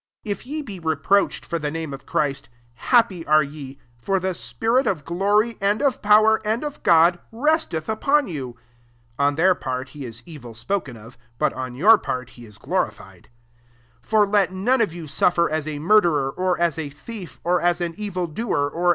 14 If ye be reproached for tkc, name of Christ, happy are t/€ s for the spirit of glory, and of power, and of God/resteth upon you. [On their fiari he U evU^/ioken of^ but on your part he is glorified!] 15 For let none of you suflTer as a murderer, or fia .a thief, or as an evil doer, or p.